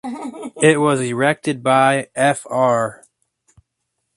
It was erected by Fr.